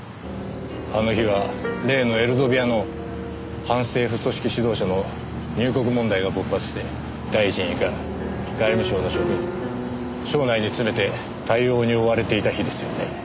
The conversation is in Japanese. あの日は例のエルドビアの反政府組織指導者の入国問題が勃発して大臣以下外務省の職員省内に詰めて対応に追われていた日ですよね。